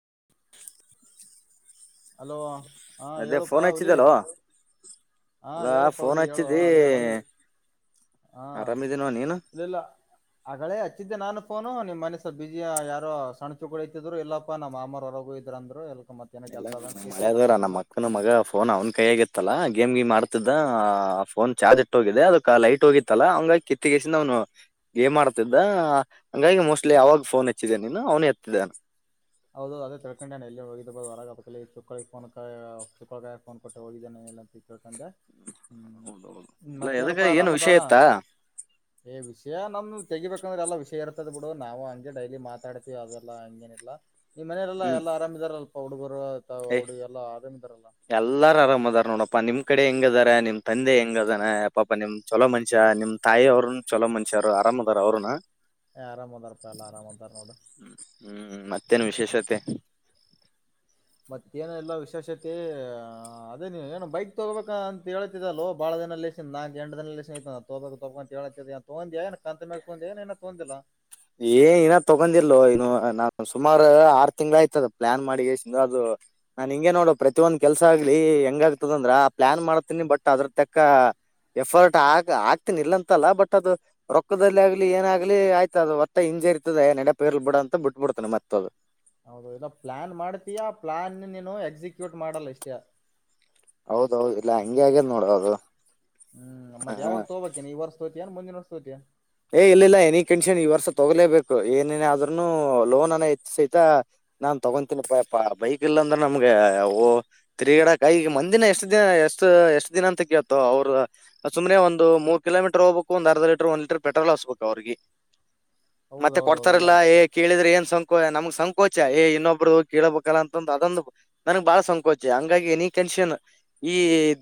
[inaudible] hello ಹಾ ಅದೇ ಹೇಳಪ್ಪಾ ಫೋನ್ ಹಲಿ ಹಚ್ಚಿದಲ್ಲೋ ಹಾ ಅಲ್ಲಾ ೋನ್ಚ್ಚದ ಅದೇ ಆರಾಮಿದೆ ಹಾ ಇಲ್ಲಲ್ಲ ಅಗಳೇ ಹಚ್ಚಿದ್ದೆ ನಾನು ಫೋನು ನಿಮ್ ಮನಸ ಬಿಜಿಯ ಯಾರೋ ಸಣ್ಚುಕಳತಿದ್ರು ಇಲ್ಲಪ್ಪಾ ನಮ್ಮ ಅಮ್ಮ ಹೊರಗು ಇದ್ರ ಅಂದ್ರು ಎ ಎಲ್ಲ ಮಳದವರ ನಮ್ಮ ಮಕ್ಕನ ಮಗ ಫೋನ್ ಅವ್ನ್ ಕೈ ಆಗತ್ತ ಾ ಗೇಮ್ ಗ ಮಾಡ್ತಿದ್ದ ಫೋನ್ ಚಾರ್ಜ್ ಇಟ್ಟ ಹೋಗಿದೆ ಅದಕ್ಕೆ ಲೈಟ್ ಹೋಗಿತ್ತಲ್ಲ ಅವಂಗ ಕಿತ್ತಗೆಸ ಅವ್ನು ಏಮ್ ಮಾಡಡ್ತಿದ್ದ ಹಂಗಾಗಿ ಮೋಸ್ಟ್ಲಿ ಯಾವಾಗ ಫೋನ್ ಹಚ್ಚಿದ್ದ ನೀನು ಅವನ ಹತ್ತಿದ್ದಾನ ಹೌದು ಅದೇ ತಿಳ್ಕೊಂಡ ನಾನು ಎಲ್ಲಿ ಹೋಗಿರ್ಬೋದು ಹೊರಾಗ ಅದ ಚುಕ್ಕಳ ಫೋ ಚುಕ್ಕಳಾಯ ಫೋನ್ ಕೊಟ್ಟ ಹೋಗಿದ್ದೇಾನನೆ ಳ್ಕಂಡೆ ಹ್ಮ್ ಹೌದೌದು ಇಲ್ಲ ಎದಕ್ಕೆ ಮತ್ತೆೇನಪ್ಪ ಏನು ಆರಾಮದಾ ವಿಷಯ ಇತ್ತಾ ಏ ವಿಷಯ ನಮ್ದು ತೆಿಬೇಕಂದ್ರೆ ಎಲ್ಲಾ ವಿಷಯ ಇರ್ತದ ಬಿಡು ನಾವು ಹಂಗೆ ಡೈಲಿ ಮಾತಾಡ್ತಿೀವಿ ಅದಲ್ಲಾ ಹಂಗೇನಿಲ್ಲಾ ಈ ಮನೆಯಲ್ಲ ಹ್ಮ್ ಎಲ್ಲ ಆರಾಮ ಇದಿದ್ದಾರೆ ಅಲ್ಪ ಹುಡುಗರು ತಾವ್ ಏ ಹುಡುಗಿ ಎಲ್ಲಾ ಆರಾಮಿದಾರಲ್ಲ ಎಲ್ಲಾರ ಆರಾಮದಾರ್ ನೋಡಪ್ಪಾ ನಿಮ್ ಕಡೆ ಹೆಂಗ ಅದಾರೆ ನಿಮ್ ತಂದೆ ಹೆಂಗ ಅದಾನ ಪಾಪ ನಿಮ್ ಚಲೋ ಮನುಷ್ಯ ನಿಮ್ ತಾಯಿ ಅವ್ರ ಚಲೋ ಮನುಷ್ಯ ಅವರು ರಾಮದಾರ ಅವರುನ ಹ ಆರಾಮ ಅದ ರ ಪಲ್ಲ ಆರಾಮ ಅದ ನೋಡ ಇ ಸತೆ ಮತ್ತೇನೆಲ್ಲ ವಿಶೇಷತೆ ಹ ಅದೇ ನೀ ಏನು ಬೈಕ್ ತಗೋಬೇಕ ಅಂತೇತಿದ್ದ ಅಲ್ೋ ಬಾಳ ದಿನಲ್ಲಸ ನಾಕ್ ಎಟ ದಿನಲ್ಲಐ ತಗೋಬೇಕು ತಗ ತೋಂದಿಯಾ ಕಂತ ಮಾಗ ತೊಂದಿಯಏನ ತೋಂದಿಲ್ಲ ಏ ನ ತೊಗೊಂಡಿಲ್ಲೋ ಇನ್ನು ನಾನ್ ಸುಮಾರು ಆರು ತಿಂಗ್ಗಳ ಆಯ್ತದ ಪ್ಲಾನ್ ಮಾಡಿಿಂದದು ನಾನ್ ಹಿಂಗಗೆ ನೋಡು ಪ್ರತಿಿಯೊಂದ್ ಕೆಲ್ಸ ಆಗ್ಲಿ ಹೆಂಗ ಆಗ್ತದಂದ್ರ ಆ ಪ್ಲಾನ್ ಮಾಡ್ತೀನಿ ಬಟ್ ಅದ್ರ ತಕ್ಕ ಎಫರ್ಟ್ ಆಗ್ ಆಗ್ತನ ಇಲ್ಲ ಅಂತಲ್ಲ ಬಟ್ ಅದು ರೊಕ್ಕದಲ್ಲಿ ಆಗ್ಲಿ ಏನಾಗ್ಲಿ ಆಯ್ತ ಅದು ಮತ್ತ ಹಿಂಜ ಇರ್ತದ ನಡೆ ಪೇರ್ಲ್ ಬಿಡ ಅಂತ ಬಿಟ್ಬ ಬಿಡ್ತಾನೆ ಮತ್ತ ಅದು ಹೌದು ಇದ ಪ್ಲಾನ್ ಮಾಡ್ತೀಯಾ ಆ ಪ್ಲಾನ್ ನೀನು ಎಕ್ಸಿಕ್ಯೂಟ್ ಮಾಡಲ್ಲ ಇಷ್ಟೇ ಹೌದೌದು ಇಲ್ಲ ಹಂಗೆ ಹಾಗೇ ನೋಡೋದು ಹ್ಮ್ ಮತ್ತೆ ಯಾವಾಗ ತಗೋಬೇಕೇಿ ಈವರ್ ಸತೋತಿಯ ಅಾನನ್ ಮುಂದಿನ ವರ್ತೋತಿಯ ಏ ಇಲ್ಲ ಇಲ್ಲ ಎನಿ ಕಂಡೀಷನ್ ಈ ವರ್ಷ ತಗಲೇಬೇಕು ಏನೇನ ಆದ್ೂನು ಲೋನ್ ಅನ್ನ ಹೆಚ್ಚ ಸಹಿತ ನಾನ್ ತಗೊತೀನಪ್ಪಾ ಬೈಕ್ ಇಲ್ಲ ಅಂದ್ರೆ ನಮ್ಗೆ ಓ ತಿರಿಗಿಡ ಕಾಯ ಮಂದಿನ ಎಷ್ಟ್ ದಿನ ಎಷ್ಟು ಎಷ್ಟ್ ದಿನ ಅಂತ ಕೇತೋ ಅವ್ರ ಸುಮನೆ ಒಂದು ಮೂರು ಕಿಲೋಮೀಟರ್ ಹೋಗ್ಬೇಕು ಒಂದ ಅರ್ಧ ಲೀಟರ್ ಒಂದು ಲೀಟರ್ ಪೆಟ್ರೋಲ್ ಹಸ್ಬೇಕು ಅವ್ರಿಗೆ ಮತ್ತೆ ಹೌದೌದೌದು ಇಲ್ಲ ಕೊಡ್ತಾರಲ್ಲ ಅಷ್ಟೇ ಕೇಳಿದ್ರೆ ಏನ್ ನಮ್ಗ್ ಸಂಕೋಚ ಏ ಇನ್ನೊಬ್ರು ಕೇಳಬೇಕಲ್ಲ ಅಂತಂದು ಅದೊಂದು ನನಗ್ ಬಾಳ ಸಂಕೋಚ ಹಂಗಾಗಿ ನೀ ಮನುಷ್ಯನ್ ಈ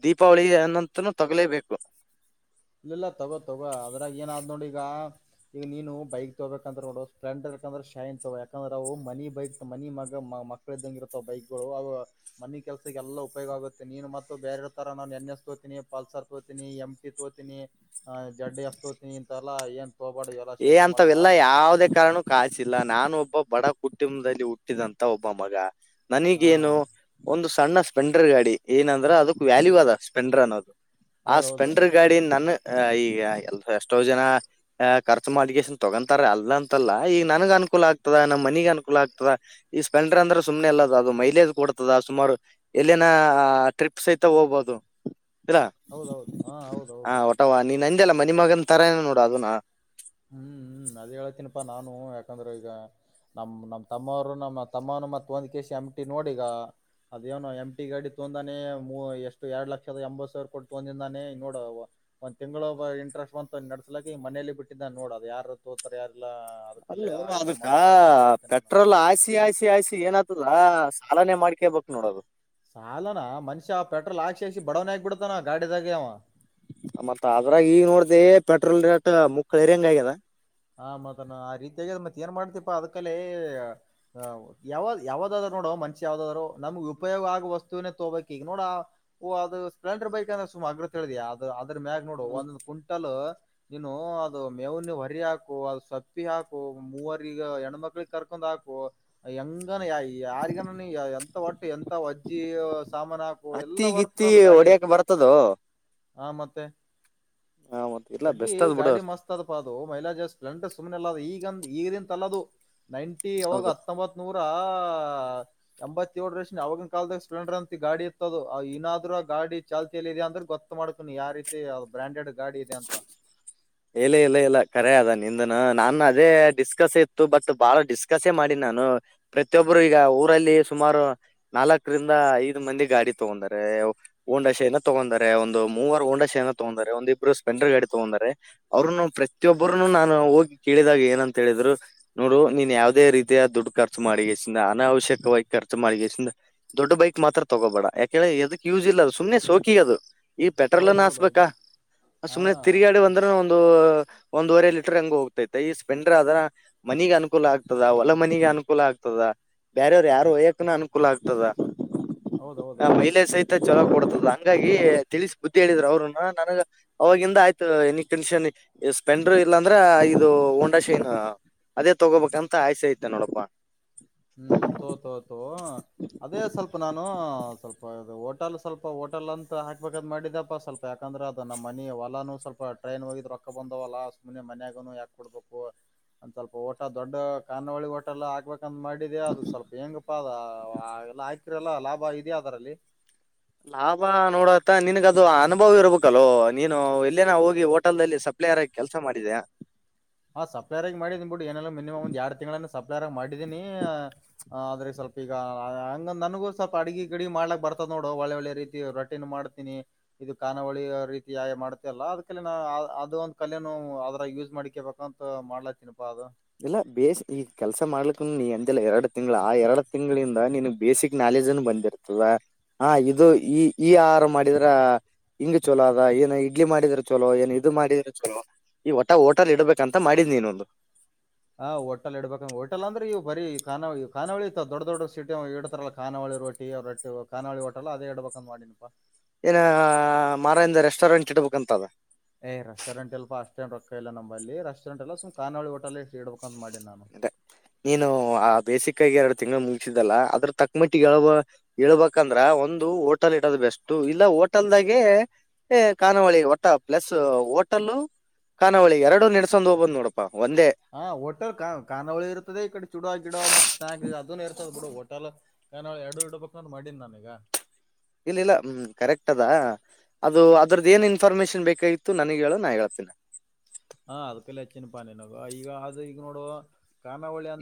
ದೀಪಾವಳಿ ಅನ್ನಂತನು ತಗಲೇಬೇಕು ಇಲ್ಲ ಇಲ್ಲ ತಗೋ ತಗೋ ಅದ್ರಾಗ ಏನಾದ್ ನೋಡಿ ಈಗ ಈಗ ನೀನು ಬೈಕ್ ತಗೋಬೇಕಂತ್ರ ನೋಡು ಸ್ಪ್ಲೆಂಡರ್ ಯಾಕಂದ್ರೆ ಶೈನ್ ತ ಯಾಕಂದ್ರೆ ಅವು ಮನಿ ಬೈಕ್ ಮನಿ ಮಗ ಮಕ್ಕಳ ಇದ್ದಂಗ ಇರುತಾವ ಬೈಕ್ಗಳು ಮನ ಕೆಲ್ಸಕ್ಕೆ ಎಲ್ಲ ಉಪಯೋಗ ಆುತ್ತೆ ನೀನು ಮತ್ತುತ್ತ ಬೇರೆ ತರ ನಾನು ಎನ್ ಎಸ್ೋತೀನಿ ಪಲ್ಸರ್ ತೋತೀನಿ ಎಂ ಿ ತೋ ತಿನ್ನೀ ಆ ಜಡ್ಡಿ ಎಸ್ತೋತನಿ ಇಂತವಲ್ಲ ಏನ್ ತೋಬಾಡ ಎಲ್ಲ ಏ ಶೋಕಿ ಮಾಡ್ಬೇಡ ಅಂತವೆಲ್ಲಾ ಯಾವ್ದೆ ಕಾರಣ ಕಾಸಿಲ್ಲ ನಾನು ಕ್ ಬಡ ಕುಟುಂಬದಲ್ಲಿ ಹುಟ್ಟಿದಂತ ಒಬ್ಬ ಮಗ ಹಾ ನನಗೇನು ಒಂದು ಸಣ್ಣ ಸ್ಪೆಂಡರ್ ಗಾಡಿ ಏನಂದ್ರ ಅದಕ್ ವ್ಯಾಲ್ಯೂ ಅದ ಸ್ಪೆಂಡರ್ ಅನ್ನೋದು ಆ ಹೌದೌದು ಸ್ಪೆಂಡರ್ ಗಾಡಿ ನನ್ನ ಆ ಈಗ ಎಲ್ಲಾ ಎಷ್ಟೋ ಜನ ಆ ಖರ್ಚು ಮೋಡಿಗೇಷನ್ ತಗೊಂತಾರೆ ಅಲ್ಲ ಅಂತಲ್ಲ ಈಗ ನನ್ಗ್ ಅನುಕೂಲ ಆಗ್ತದ ನಮ್ ಮನಿಗೆ ಅನುಕೂಲ ಆಗ್ತದ ಈ ಸ್ಪೆಂಡ ಸ್ಪೆಂಡರ್ ಅಂದ್ರೆ ಸುಮ್ನೆ ಅಲ್ಲ ಅದು ಮೈಲೇಜ್ ಕೊಡ್ತದ ಸುಮಾರು ಎಲ್ಲಿನ ಆ ಟ್ರಿಪ್ ಸಹಿತ ಹೋಗ್ಬಹದು ಇರಾ ಹೌದೌದು ಹಾ ಹ ಹೌದೌದು ಹೊಟವಾ ನೀನ್ ಅಂದ್ಯಲ್ಲ ಮನಿ ಮಗನ್ ತರನ ನೋಡ ಅದುನ್ನಾ ಹ್ಮ್ ಹ್ಮ್ ಅದೇ ಹೇಳತೀನಪ್ಪಾ ನಾನು ಯಾಕಂದ್ರೆ ಈಗ ನಮ್ ನಮ್ ತಮ್ಮವರು ನಮ್ ತಮ್ಮನು ಮತ್ ಒಂದ್ ಕೆಸಿ ಎಮಟಿ ನೋಡಿ ಈಗ ಅದೇ ಅವ್ನ್ ಎಂಮ್ಟಿ ಗಾಡಿ ತೊಂದಾನೆ ಮೂ ಎಷ್ಟು ಎರಡ್ ಲಕ್ಷದ ಎಂಬತ್ ಸಾವಿರ ಕೊಟ್ಟು ತೊಂದಿಂದಾನೆ ನೋಡ ಓ ಒಂದ್ ತಿಂಗಳುಬ್ ಇಂಟ್ರೆಸ್ಟ್ ಬಂತು ನಡ್ಸಲಾಕಿ ಮನೇಲಿ ಬಿಟ್ಟಿದ್ದ ನೋಡ್ ಅದು ಯಾರು ತೋಗೊತ್ತಾರ್ ಯಾರ ಯಾರಿಲ್ಲಾ ಅಲ್ಲ ಅದಕಲ್ಲೇ ಅವ ಆ ರೀತಿ ಅದಕ್ಕ ಮಾಡಬೇಡ ಆ ಅಂತ ನಿನ್ಗ್ ಹೇಳ್ತೇನಿ ನಾನು ಪೆಟ್ರೋಲ್ ಹಾಕ್ಸಿ ಹಾಕ್ಸಿ ಹಾಕ್ಸಿ ಏನಾದ ಇಲ್ಲಾ ಸಾಲನೆೇ ಮಾಡ್ಕ್ಯಾಬಕು ನೋಡ್ ಅದು ಸಾಲನಾ ಮನ್ಷ್ಯ ಪೆಟ್ರೋಲ್ ಹಾಕ್ಸಿ ಹಾಕ್ಸಿ ಬಡೋವ್ನೆ ಆಗಿ ಬಿಡ್ತಾನ ಗಾಡಿದಾಗೆ ಅವ ಮತ್ತ ಅದ್ರಾಗೆ ಈಗ ನೋಡ್ತಿ ಪೆಟ್ರೋಲ್ ರೇಟ್ ಮುಕ್ಲರಿ ಹಂಗ್ ಆಗ್ಯದ ಹ ಮತನಾ ಅದಿಕ್ಯಗೆ ಅದುನ್ನ್ ಮತ್ ಏನ್ ಮಾಡ್ತಿಪಾ ಅದಕಲ್ಲೇ ಯಾವ್ ಯಾವಾಗ್ ಯಾವದಾದ ನೋಡ್ ನೋಡು ಮನ್ಷ್ಯ ಆದೋರು ನಮ್ಗ್ ಉಪಯೋಗ ಆಗುವ ವಸ್ತುನೇ ತೋಗೊ ಬೇಕ್ ಈಗ ನೋಡಾ ಓ ಅದು ಸ್ಪ್ಲೆಂಡರ್ ಬೈಕ್ ಅಂದ್ರೆ ಸುಮಾರ ಹೋಗ್ಲುತ್ತಳ್ದ್ಯ ಯಾವ್ದು ಅದ್ರ ಮ್ಯಾಗ್ ನೋಡು ಒಂದು ಕ್ವಿಂಟಲ್ ನೀನು ಅದು ಮೇವನ್ನು ಹೊರಿ ಹಾಕ್ ಓ ಅದು ಸಪ್ಪಿ ಹಾಕು ಮೂವರಿಗ ಹೆಣ್ಮಕ್ಳಿಗ್ ಕರ್ಕೊಂಡ್ ಹಾಕು ಹೆಂಗನ ಯಾಯ್ ಯಾ ಈಗ ನಾನು ಎಂತ ಒಟ್ಟು ಎಂತ ವಜ್ಜಿ ಸಾಮಾನ್ ಹಾಕು ಎಲ್ಲ ಹತ್ತಿ ಗಿತ್ತಿ ಹೊರ್ತದ್ ಗಾಡಿ ಹೊಡ್ಯಕ್ ಬರ್ತದೋ ಹಾ ಮತ್ತೆ ಹ ಮತ್ತ ಇಲ್ಲ ಗಡ್ಡಿ ಬೆಸ್ಟ್ ಅದ್ ಬಿಡು ಗಾಡಿ ಮಸ್ತ್ ಅದ್ ಪಾ ಅದು ಮೈಲಾಾಜ್ ಎಷ್ಟ್ ಶನ್ಟ ಸುಮ್ನೆ ಎಲ್ಲ ಅದ್ ಈಗನ್ ಈಗಂತಲ್ಲದು ನೈಂಟಿ ಹೌದು ಅವಾಗ ಹತ್ತೊಂಬತ್ ನೂರಾ ಹಾ ಎಂಬತ್ತೋಳ್ ವರ್ಷ ಅವವಾಗಿನ್ ಕಾಲದಾಗ ಸ್ಪ್ಲೆಂಡರ್ ಅಂತ ಗಾಡಿ ಇತ್ತದು ಆ ಇನ್ನಾದ್ರೂ ಆ ಗಾಡಿ ಚಾಲ್ತಿಿಯಲ್ಲಿದೆ ಅಂದ್ರೆ ಗೊತ್ತ ಮಾಡ್ಕನಿ ಯಾವ ರೀತಿ ಅದು ಬ್ರಾಂಡೆಡ್ ಗಾಡಿ ಇದೆ ಅಂತ ಮ್ಚ್ಚ್ ಇಲ್ಲ ಇಲ್ಲ ಇಲ್ಲ ಕರೆ ಅದ ನಿಂದ್ನೂ ನಾನು ಅದೇ ಡಿಸ್ಕಸ್ ಇತ್ತು ಬಟ್ ಬಾಳ ಡಿಸ್ಕಸ್ಸೇ ಮಾಡಿನ್ ನಾ ನಾನು ಪ್ರತಿಯೊಬ್ಬರು ಈಗ ಊರಲ್ಲಿ ಸುಮಾರು ನಾಲ್ಕರಿಂದ ಐದು ಮಂದಿ ಗಾಡಿ ತಗೊಂಡರೆ ಓಂಡಾಶೆ ಇಂದ ತಗೊಂದಾರೆ ಒಂದು ಮೂವರು ಓಂಡಾಶೆ ಇಂದ ತಗೊಂದಾರೆ ಒಂದಿಬ್ರು ಸ್ಪೆಲ್ನಡರ್ ಗಾಡಿ ತಗೊಂದಾರೆ ಅವರುನು ಪ್ರತಿಯೊಬ್ಬರುನು ನಾನು ಹೋಗಿ ಕೇಳಿದಾಗ ಏನಂತ ಹೇಳಿದ್ರು ನೋಡು ನೀನ್ ಯಾವದೇ ರೀತಿಯ ದುಡ್ ದುಡ್ಡ ಖರ್ಚು ಮಾಡಿ ಸುಮ್ನೇ ಅನಾವಶ್ಯಕ ವಾಗಿ ಖರ್ಚು ಮಾಡಿ ಸುಮ್ನೆ ದೊಡ್ಡ ಬೈಕ್ ಮಾತ್ರ ತಗೋಬೇಡ ಯಾಕ ಹೇಳ್ದ್ರೆ ಎದಕ್ಕೆ ಯೂವ್ಸ್ ಇಲ್ಲ ಅದು ಸುಮ್ನೆ ಸೋಕಿಗ್ ಅದು ಈ ಪೆಟ್ರೋಲುನ್ನಾ ಹೌದೌದೌದು ಹಾಕ್ಸಬೇಕಾ ಹಾ ಸುಮ್ನೆ ತಿರ್ಗಾಡಿ ಬಂದ್ರು ಒಂದ್ ಒಂದೂವರೆ ಲೀಟರ್ ಹಂಗ ಹೋಗ್ತತೆ ಈ ಸ್ಪೆಂಡರ್ ಅದ ಮನೀಗ್ ಅನುಕೂಲ ಆಗ್ತದ ಹೊಲ ಮನಿಗೆ ಅನುಕೂ ಕೂಲ ಆಗ್ತದ ಬೇರೆಯವ್ರು ಯಾರು ಹಯ್ಯಕುನ ಅನುಕೂಲ ಆಗ್ತದ ಹೌದೌದೌದು ಮಹಿಲೆ ಸಹಿತ ಚಲೋ ಕೊಡತದ ಹಂಗಾಗಿ ತಿಳಿಸಿ್ ಬುದ್ಧಿ ಹೇಳಿದ್ರರು ಅವ್ರನ್ನ ನನಗ ಅವಾಗಿಂದ ಆಯ್ತು ನಿನ್ ಟೆಂಕ್ಷನ್ ಸ್ಪೆಂಡರ್ ಇಲ್ಲಾ ಅಂದ್ರ ಇದು ಹೊಂಡಾ ಶೈನ್ ಅದೇ ತಗೋಬೇಕಂತ ಆಸೆ ಐತೆ ನೋಡಪ್ಪಾ ಹ್ಮ್ ತೋಗೊ ತೋಗೊ ತೋಗೋ ಅದೇ ಸ್ವಲ್ಪ ನಾನು ಸ್ವಲ್ಪ ಓ ಹೋಟೆಲ್ ಸ್ವಲ್ಪ ಹೊಟಲ್ ಅಂತ ಹಾಕ್ಬೇಕಾದ್ ಮಾಡಿದಪ್ಪ ಸ್ವಲ್ಪ ಯಾಕಂದ್ರೆ ಅದು ನಮ್ಮ ಮನಿ ಒಲಾನು ಸ್ವಲ್ಪ ಟ್ರೈನ್ ಹೋಗಿದ್ರ ರೊಕ್ಕ ರೊಕ್ಕ ಬಂದವಲ್ಲಾ ಸುಮ್ಮನೆ ಮನ್ಯಾಗುನು ಯಾಕ್ ಕೊಡ್ಬಕು ಒಂದ ಸ್ವಲ್ಪ ಹೋಟೆಲ್ ದೊಡ್ಡ ಖಾನಾವಳಿ ಹೋಟೆಲ್ ಹಾಕ್ಬಕಂತ ಮಾಡಿ ಅದು ಸ್ವಲ್ಪ ಹೆಂಗಪ್ಪ ಅದು ಆ ಆ ಎಲ್ಲ ಹಾಕಿರಲ್ಲ ಲಾಭ ಇದೆಯಾ ಅದರಲ್ಲಿ ಲಾಭ ನೋಡತ್ತ ನಿನ್ಗದು ಅನುಭವ ಇರ್ಬೇಕಲ್ಲೋ ನೀನು ಎಲ್ಲೇನ ಹೋಗಿ ಹೋಟೆಲ್ ಅಲ್ಲಿ ಸಪ್ ಪ್ಲೇರಾಗಿ ಕೆಲಸ ಮಾಡಿದ್ಯಾ ಹ ಸಪ್ಲೈರ್ ಆಗಿ ಮಾಡಿದನಿ ಬಿಡ್ಡು ಏನೆಲ್ಲ ಮಿನಿಮಮ್ ಒಂದ್ ಎರಡ್ ತಿಂಗಳನ್ನ ಸಪ್ಲೇರ ಮಾಡಿದೀನಿ್ ಆದ್ರೆ ಸ್ವಲ್ಪ ಈಗ ಹಂಗ ನನಗೂ ಸ್ವಲ್ಪ ಅಡ್ಗಿ ಗಿಡ್ಗಿ ಮಾಡ್ಲಕ್ ಬರ್ತದ ನೋಡು ಒಳ್ಳೆ ಒಳ್ಳೆ ರೀತಿ ರೊಟ್ಟಿನು ಮಾಡ್ತೀನಿ ಇದು ಕಾನಾವಳಿ ರೀತಿ ಆೆ ಮಾಡುತೆಲ್ಲ ಅದಿಕೆಲ್ಲ ನಾ ಅದು ಒಂದ ಕಲೆನು ಆದ್ರಾಗ್ ಯೂಸ್ ಮಾಡ್ಕ್ಯಬೇಕ್ ಮತ್ತ ಮಾಡ್ಲಾಕತ್ತಿನಪ್ಪಾ ಅದು ಇಲ್ಲ ಬೇ ಈ ಕೆಲ್ಸ ಮಾಡ್ಲಿಕ್ಕ ನೀ ಅಂದಿಲ್ಲ ಎರಡ್ ತಿಂ್ ಆ ಎರಡ್ ತಿಂಗಳಿಂದ ನಿನ್ಗ್ ಬೇಸಿಕ್ ಎ ಜನ ಬಂದಿರ್ತವ ಹಾ ಇದು ಈ ಈ ಆಹಾರ ಮಾಡಿದ್ರ ಹಿಂಗ ಚಲೋ ಅದ ಏನು ಇಡ್ಲಿ ಮಾಡಿದ್ರ ಚಲೋ ಏನ್ ಇದು ಮಾಡಿದ್ರರು ಚಲೋ ಈ ಒಟಾ ಹೋಟಲ್ ಇಡ್ಬೇಕಂತ ಮಾಡಿದ್ ನೀನೊಂದು ಹಾ ಹೋಟಲ್ ಇಡಬೇಕಂಗ ಹೋಟಲ್ ಅಂದ್ರೆ ಇವು ಬೀ ಕಾನಿ ಕಾವಳಿ ಇ ದೊಡ್ ದೊಡ್ ಸೀಟ ಇಡ್ತಾರಲ್ಲ ಕಾನಾವಳಿ ರೋಿ ಅವ್ರ ರೊಟ್ಟಿ ಕಾನಾವಳಿೋಟಲ್ಲ ಅದೇ ಇಡಬೇಕಂದ ಮಾಡಿನನಪ್ಪಾ ಏನ ಮಾರಾಯಂದ ರೆಸ್ಟೋರೆಂಟ್ ಇಡ್ಬೇಕುಂತದ ಏ್ ರೆಸ್ಟೋಂಟ್ಲ್ ಅಷ್ಟೇ ರೊಕ್ಕ ಇಲ್ಲ ನಂಬಲ್ಲಿ ರೆಸ್ಟರೆಂಟ್ ಎಲ್ಲ ಸು್ ಕಳ ಹೋಟೆ ಎ ಇಡ್ಬೇಕು ಅ ನೀನು ಆ ಬೇಸಿಕ್ಾಗಿ ಎರಡು ತಿಂಗಳು ಮುಗ ಲ್ಲ ಅದ್ರ ತಕ್ ಮಿಟ್ಟಿಗೆಬ ಹೇಳ್ಬೇಕಂದ್ರೆ ಒಂದು ಹೋಟೆಲ್ ಇಡೋದು ಬೆಸ್ಟ್ ಇಲ್ಲ ಹೋಟೆಲ್ದಾಗ ಗೆ ಕಖಾನಾವಳಿ ಒಟ್ಟ ಪ್ಲಸ್ ಹೋಟಲ್ಲ ಕಾನೋಳಿ ಎರಡು ನಡ್ಸೊಂಡ್ ಹೋಗಬ್ ನೋಡಪ್ಪ ಒಂದೇ ಹಾ ಹೋಟಲ್ ಕ ಕಾನಾವಳಿ ಇರ್ತದೆ ಈ ಕಡೆ ಚೂಡ ಗಿಡ ಮತ್ ಸ್ನಾಕ್ ಅದೂ ಇರ್ತದ ಬಿಡು ಹೋಟೆಲ್ ಕಾನಳ ಎರಡು ಇಡಬೇಕ ಮಾಡಿ ಎನ್ನ ಮೆಗ ಇಲ್ಲ ಇಲ್ಲ ಹ್ಮ್ ಕರೆಕ್ಟ್ ಅದಾ ಅದು ಅದ್ರದ ಏನ್ ಇನ್ಫಾರ್ಮೇಶನ್ ಬೇಕಾಗಿತ್ತು ನನಗ್ ಹೇಳ ನಾ ಹೇಳ್ತೇನ ಹಾ ಅದಕಲ್ಲ ಹೆಚ್ಚನ್ ಪಾನೆನಗ ಈಗ ಅದು ಈಗ ನೋಡುುವ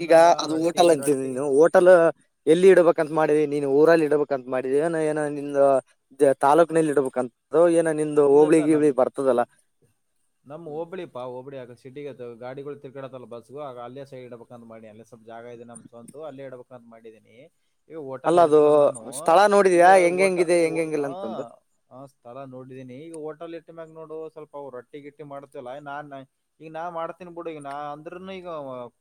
ಈಗ ಅದು ಹೋಟೆಲ್ ಅಂತಿ ನೀ ಹೋಟಲ್ ಎಲ್ಲಿ ಇಡ್ಬೇಕ ಂತ ಮಾಡೀಿ ನೀನ್ ಊರಲ್ಲಿ ಇಡ್ಬೇಕಂತ ಮಾಡಿದಿ ಏನ ನಿ ತಾಲೂಕಿನಲ್ಲಿ ಇಡಬೇಕಂತ ಏ ಇಲ್ಲ ಇಲ್ಲ ನಮ ಹ್ಮ್ ನಮ್ ಹಬ್ಬಳಿ ಪಾ ಹಬ್ಬಳಿ ಯಾಕ ಸಿಟಿಗೆ ಗಾಡಿಗಳು ತೆ ಡಲ್ಲ ಬಸ್ಗು ಆಗ ಅಲ್ಲೇ ಸೈಡ್ ಇಡಬೇಕ ಅಂತ ಮಾಡಿ ಅೇ ಸ್ವಲ್ಪ ಜಾಗ ಇದೆ ನಮ್ ಸ್ವಂತು ಅಲ್ಲೇ ಇಡಬೇಕಂತ ಮಾಡಿದೀನಿ ಈಗ ಹಓಟಲ್ ಅಲ್ಲ ಅದು ಇಡತನಲ್ ನಾನು ಸ್ಥಳ ಈಗ ನೋಡಿದ್ಯಾ ಹೆಂಗ್ ಓಟ ಹೆಂಗಿದೆ ಹೆಂಗ್ ಹೆಂಗಿಲ್ಲ ಅಂತಂದು ಆ ಸ್ಥಳ ನೋಡಿ ಈಗ ಹೋಟೆಲ್ ಇಟ್ಟ ಮ್ಯಾಗ ನೋಡು ಸ್ವಲ್ಪ ರಟ್ಟಿಗಿಟ್ಟಿ ಮಾಡ್ತವಲ್ಲ ನಾ ಈಗ ನಾ ಮಾಡ್ತೀನ್ ಬಿಡು ಈಗ ನಾ ಅಂದ್ರನ ಈಗ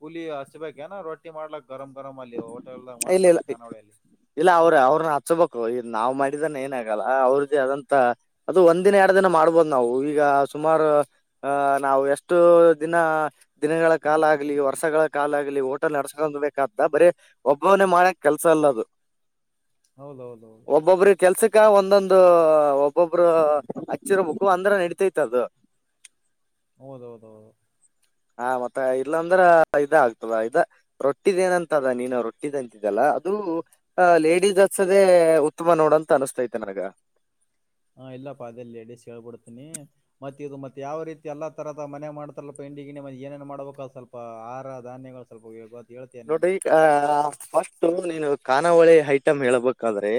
ಕೂಲಿ ಹಚ್ಬೇಕಏನ ರೋಟ್ಟಿ ಮಾಡ್ಲಕ್ ಗರಂ ಗರಮ್ ಅಲ್ಲಿ ಹೋಟೆಲ್ದಾಗ ಇಲ್ಲ ಇಲ್ಲ ಮಾಡ್ತಾರಲ್ಲ ಖಾನಾವಳಿಯಲ್ಲಿ ಇಲ್ಲ ಅವ್ರ ಅವ್ರನ್ನ ಹಚ್ಚಬಕ್ ನಾ್ ಮಾಡಿದನ್ನ ಏನ ಆಗಲ್ಲ ಅವ್ರದ್ದ ಅದಂತ ಅದು ಒಂದ ದಿನ ಎರಡ್ ದಿನ ಮಾಡ್ಬೋದು ನಾವು ಈಗ ಸುಮಾರು ಅ ನಾವು ಎಷ್ಟು ದಿನ ದಿನಗಳ ಕಾಲ ಆಾಗಲಿ ವರ್ಷಗಳ ಕಾಲ ಆಗ್ಲಿ ಲ್ಲಿ ಓಟ ನಡೆಸ್ಕೊ ಬ್ದ ಬರೀ ಒಬ್ಬವನೇ ಮಾಡಕ್ ಕೆಲ್ಸ ಅಲ್ಲ ಅದು ಹೌದುೌಲೌ ಈಗ ಒಂದೊಂದು ಒಬ್ಬೊಬ್ರು ಹಚ್ಚಿರ ಮುಖು ಅಂದ್ರ ನಡಿತೈತ್ ಅದು ಹೌದೌದ ಹೌದು ಹಾ ಮತ್ತ ಇಲ್ಲಾ ಅಂದ್ರ ಇದ ಆಗ್ತದ ಇದ ರೊಟ್ಟಿದಏನಂತದ ನೀನು ರೊಟ್ಟಿದ್ ಅಂತಿದ್ದಲ್ಲ ಅದು ಅ ಲೇಡೀ ಹಸದೆ ಉತ್ತಮ ನೋಡ ಅಂತ ಅನಿಸತೈತೆ ನನಗ ಹಾ ಇಲ್ಲಪ್ಪಾ ಅದೆಲ್ಲಿ ಎಡಿಸಸ್ ಹೇಳ್ಬಿಡ್ತೀನಿ ಮತ್ತೆ ಇದು ಮತ್ತತ್ ಯಾವ ರೀತಿ ಎಲ್ಲಾ ತರದ ಮನೆ ಮಾಡ್ತಲ್ಲ ತಿಂಡಿಗಿನ ಮ ಏೇಏ ಮಾಡಬೇಕ ಅದು ಸ್ವಲ್ಪ ಆಾರ ಧಾನ್ಗಳು ಸ್ವಲ್ಪ ಹೇಳ್ತೀಯ ನೀನು ನೋಡ್ರಿ ಆಹ ಫಸ್ಟ್ು ನೀನು ಖಾನಾವಳಿ ಐಟಮ್ ಹೇಳ್ಬೇಕಾದ್ರೆ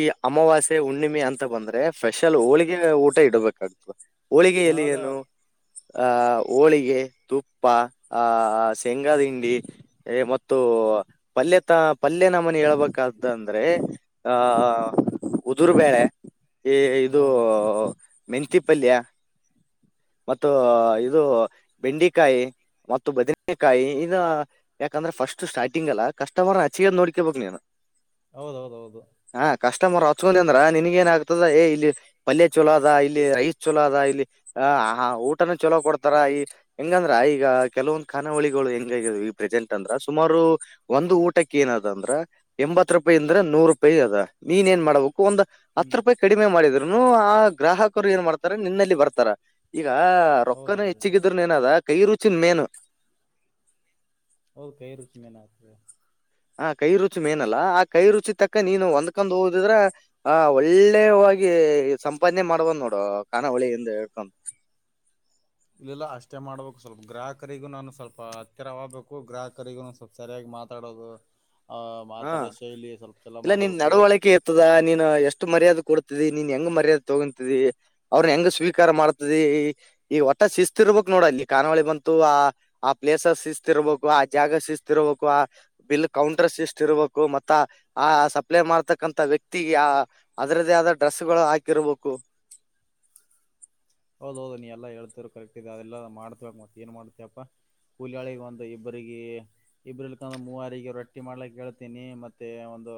ಈ ಅಮವಾಸ್ಯ ಹುಣ್ಣಿಮೆ ಅಂತ ಬಂದ್ರೆ ಸ್ೆಷಲ್ ಹೋಳಿಗೆ ಊಟ ಇಡ್ಬೇಕಾಗತತ್ತು ಹ ಹೋಳಿಗೆಯಲ್ಲಿ ಅದ ಏನು ಆ ಹೋಳಿಗೆ ತುಪ್ಪ ಆಹ ಶೆಂಗಾದಂಡ ಪಲ್ ಪಲ್ನ ಮನ ಹೇಳ್ಬೇಕ ಅಂದ್ರೆ ಹ ಹ ಉದುರ್ಬೇಳೆ ಈ ಹ ಇದು ಮೆಂತಿಪಲ್ಯ ಮ ಇದು ಬೆಂಡಿಕಾಯಿ ಮ ಬದನೆಕಾಯಿ ಈಗ ಯಾಕಂದ್ರೆ ಫಸ್ಟ್ ಸ್ಟಾರ್ಟಿಂಗ್ ಅಲ್ಲ ಕಷ್ಟವರ್ ಹಚ್ಚಗದ್ ನೋಡ್ಕೇಬಬೇಕಕ್ ನೀನ್ ಹೌದೌದ ಹೌದು ಕಸ್ಟಮರ್ ಹಚ್ಕೊಂಡ ಅಂದ್ರ ನಿನ್ಗ ಏನ್ ಆಗ್ತದ ಏ ಇಲ್ಲಿ ಪಲ್ಯ ಚಲ ಅದ ಇಲ್ಲಿ ರೈಸ್ ಚಲೋ ಅದ ಇಲ್ಲಿ ಹ ಆ ಹಾ ಊಟನ ಚೊಲೋ ಕೊಡ್ತಾರ ಈ ಹೆಂಗಂದ್ರ ಈಗ ಕೆಲವೊಂದು್ ಕನಾವಳಿಗಳು ಹೆಂಗ ಈ ಪ್ರ ಎ ಅಂದ್ರ ಸುಮಾರು ಒಂದು ಊಟಕ್ಕೆ ಏನದ ಅಂದ್ರ ಎಂಬತ್ ರೂಪಾಯಿ ಅಂದ್ರೆ ನೂರು ರೂಪಾಯಿ ಅದ ನೀನ್ ಏನ್ ಮಾಡ್ಬೇಕು ಒಂದ್ ಹತ್ ಹ್ಮ್ ರೂಪಾಯಿ ಕಡಿಮೆ ಮಾಡಿದ್ರುನು ಆ ಗ್ರಾಹಕರು ಏನ್ ಮಾಡ್ತಾರ ನಿನ್ನಲ್ಲಿ ಬರ್ತಾರ ಈಗ ರೊಕ್ಕನ ಹೌದೌದು ಹೆಚ್ಚಿಗಿದ್ರಏನದ ಕೈ ರುಚನ್ ಮೇನು ಓ ಕೈರುಚಿ ಮ ಅೆ ಹ ಕೈ ರುಚಿ ಮೇನಲ್ಲಾ ಆ ಕೈ ರುಚಿ ತಕ್ಕ ನೀನು ಒಂದ್ಕೊಂಡ್ ಹಓದಿದ್ರ ಆ ಒಳ್ಳೆ ಹಾಗಾಗಿ ಸಂಪಾದನೆ ಮಾಡ್ಬದು್ ನೋಡು ಕಖಾನಾವಳಿಿಂದ ಹೇಳ್ಕ ಇಲ್ಲಲ್ಲ ಅಷ್ಟೇ ಮಾಡ್ಬೇಕು ಸ್ವಲ್ಪ ಗ್ರಾಹಕರಿಗೂ ನಾನು ಸ್ವಲ್ಪ ಹತ್ತಿರವಾಗ್ಬೇಕು ಗ್ರಾಹಕರಿಗೂ ಸ್ವಲ್ ಸರಿಯಗ್ಬೇಕು ಮಾತಾಡೋದು ಆ ಹಾ ಮಾತಾಡೋ ಶೈಲಿ ಸ್ವಲ್ಪ ಎಲ್ಲ ಇಲ್ಲ ನಿನ್ ಮಾಡ್ಬೇಕು ನಡವಳಿಕೆ ಇರ್ತದ ನೀನು ಎಷ್ಟು ಮರ್ಯಾದೆ ಕೊಡ್ತ ನೀನ್ ಹೆಂಗ ಮರ್ಯಾದೆ ತಗೊತಿ ಅವ್ರನ್ನ ಹೆಂಗ ಸ್ವೀಕಾರ ಮಾಡ್ತದೆ ಈ ಒಟ ಶಿಸ್ತಿರ್ಬೇಕ ನೋಡ ಅಲ್ಲಿ ಕಾನಾವಳಿ ಬಂತು ಆ ಆ ಪ್ಲೇಸ್ ಶಿಸ್ತಿರ್ಬೇಕು ಆ ಜಾಗ ಶಿಸ್ತಿರ್ಬೇಕು ಆ ಬಿಲ್ ಕೌಂಟರ್ ಸಿಸ್ಟ್ ಇರ್ಬೇಕು ಮತ್ತ ಆ ಸಪ್ಲೈ ಮಾಡ್ತಕ್ಕಂಂತ ವ್ಯಕ್ತಿ ಅದರದೇ ಆದ ಡ್ರೆಸ್ ಗಳು ಹಾಕಿ ಮಕ್ಕು ಹೌದ್ ಹೌದು ನೀ ಎಲ್ಲ ಹೇಳ್ತೀರರು ಕರೆಕ್ಟ್ ಇದೆ ಅದೆಲ್ಲ ಮಾಡ್ತಬೇಕಕ್ ಮತ್ತತ್ ಏನ್ ಮಾಡ್ತಯಪ್ಪಾ ಹುಲಿಯಾಳಿಿಗೆ ಒಂದು ಇಬ್ಬ್ರಗ ಇಬ್ರಕ ಮೂವಾರಿಗೆ ರೊಟ್ಟಿ ಮಾಡ್ಲಕ್ ಹೇಳ್ತೀನಿ ಮತ್ತೆ ಒ ಒಂದು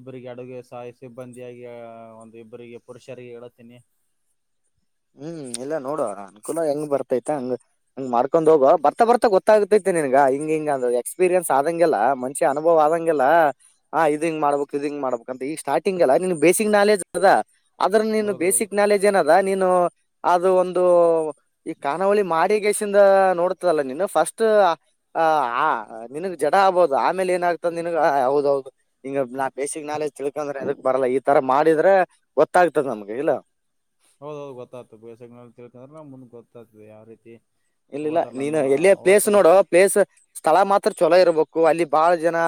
ಇಬ್ಬರಿಗೆ ಅಡುಗೆ ಸಹಾಯಿ ಸಿಬ್ಬಂದಿಯಾಗಿ ಒಂದು ಇಬ್ಬ್ರರಿಗೆ ಪುರುಷರಿಗೆ ಹೇಳತೀನಿ [inaudible] ಹ್ಮ್ ಇಲ್ಲ ನೋಡುವ ಅನುಕೂಲ ಹೆಂಗ್ ಬರ್ತೈತೆ ಹಂಗ ಹಂಗ್ ಮಾಡ್ಕೊಂಡ್ ಹೋಗೋ ಬರ್ತಾ ಬರ್ತ ಗೊತ್ತಾಗತೈತೆ ನಿನ್ಗೆ ಹಿಂಗ ಹಿಂಗ ಅಂದ್ರ ಎಕ್ಸ್ೀರಿಯನ್ಸ್ ಆದಂಗಗೆಿಲ್ಲಾ ಮಂಿ ಅನುಭವ ಆದಂಗಗೆಿಲ್ಲಾ ಇದ್ ಹಿಂಗ ಮಾಡ್ಬೇಕು ಇದಿಂಗ ಮಾಡ್ ಈ ಸ್ಟಾರ್ಟಂಗ್ಲ್ಲ ಬೇಿಕ್ ನಾಲೆಜ್ ಅದ ಅದ್ರ ನಿ ಹೌದೌದು ಬೇಸಕ್ ನಾಲೆಜ್ ಏನದ ನೀನು ಅದು ಒಂದು ಈ ಕಾನಾವಳಿ ಮಾಡಗೇಸಿಂದ ನೋಡ್ತದಲ್ಲ ನೀನು ಫಸ್ಟ್ ನಿನಗ್ ಜಡ ಆಗ್ಬಹದು ಆಮೇಲೆ ಏನಾಗಗ್ತ ನಿನ ಹೌದೌದು ಹ ನಾ ಬೇಸಿಕ್ ನಾಲೆಜ್ ತಿಳ್ಕಂದ್ರೆ ಎದಕ್ ಬರಲ್ಲ ಈ ತರ ಮಾಡಿದ್ರೆ ಗೊತ್ತಾಗ್ತದೆ ನಮ್ಗೆ ಇಲ್ಲ ಹೌದೌದು ಗೊತ್ತ್ತ ಬೇಸ ತಿಳ್ಕೊಂಡ್ರೆ ನಮ್ ಮುಂದ ಗೊತ್ತಾಗ್ತದೆ ಯಾವ ರೀತಿ ಇಲ್ಲಿ ಇಲ್ಲ ಹೋಟೆಲ್ ನೀನು ಅನ್ನು ಎಲ್ಲಿ ಪ್ಲೇಸ್ ಹೋಟೆಲ್ ನೋಡುವ ಪ್ಲೇಸ್ ಸ್ಥಳ ಮಾತ್ರ ಚಛಲೋ ಇರ್ಬೇಕು ಅಲ್ಲಿ ಬಹಳ ಜನ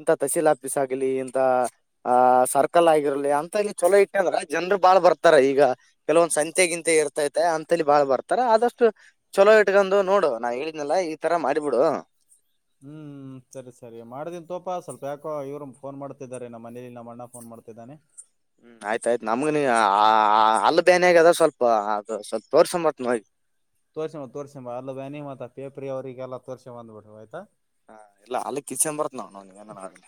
ಇಂತ ತಹಸೀಲ್ ಆಫೀಸ್ ಆಗಲಿ ಇಂತ ಅ ಸರ್ಕಲ್ ಆಗ ಿರಲಿ ಅಂತ ಇಲ್ಲಿ ಚಲೋ ಇಟ್ಟಂದ್ರ ಜನರು ಬಾಳ್ ಬರ್ತಾರೆ ಈಗ ಕೆಲವೊಂದ್ ಸಂತೆ ಗಿಂತ ಇರ್ತೈತೆ ಅಂತಲ್ಲಿ ಬಾಳ್ ಬರ್ತಾರ ಆದಷ್ಟು ಚೊಲೋ ಇಟ್ಕೊಂಡು ನೋಡು ನಾವ್ ಹೇಳಿದನಲ್ಲ ಈ ತರ ಮಾಡಿಬಿಡು ಹ್ಮ್ ಹ್ಮ ಸರಿ ಸರಿ ಮಾಡ್ದನ್ ತೋಪ ಸ್ವಲ್ಪ ಯಾಕೋ ಇವ್ ಫೋನ್ ಮಾಡ್ತಿದ್ದಾರೆ ನಮ್ಮ ಮನೇಲಿ ನಮ್ಮ ಅಣ್ಣ ಫೋನ್ ಮಾಡ್ತಿದ್ದಾನೆ ಹ್ಮ್ ಆಯ್ತ ಆಯ್ತು ನಮ್ಗ ನೀ ಅಲ್ಲಿ ಬೇನೆಾಗ ಅದ ಸ್ವಲ್ಪ ಅದು ಸ್ವಲ್ಪ ತೋರ್ಸಂಬತ್ ನೋ ತೋರ್ಸಂಬ ತೋರ್ರಿಸಂಬ ಅಲ್ಲ ಬನ ಮತ್ತ ಪೇಪ್ರರಿ ಅವರಿಗೆಲ್ಲ ತೋರಿಸ್ ಬಂದಬಟ್ಟು ಆಯ್ತಾ ಹಾ ಇಲ್ಲ ಅಲ್ಲಿ ಕಿಚನ್ ಬರತ್ ನಾವನ್ ಏನಿಲ್ಲ